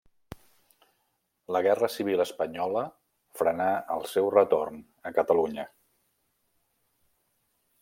La guerra civil espanyola frenà el seu retorn a Catalunya.